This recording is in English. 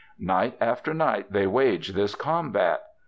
Night after night they wage this combat.